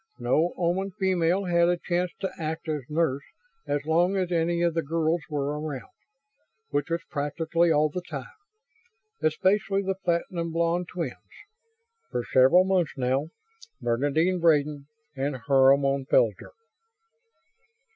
No Oman female had a chance to act as nurse as long as any of the girls were around. Which was practically all the time. Especially the platinum blonde twins; for several months, now, Bernadine Braden and Hermione Felger.